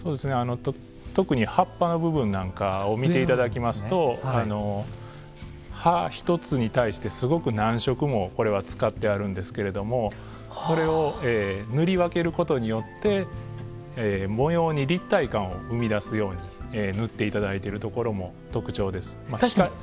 特に葉っぱの部分なんかを見ていただきますと葉１つに対してすごく何色もこれは使ってあるんですけれどもそれを塗り分けることによって模様に立体感を生み出すように塗っていただいているところも特徴です。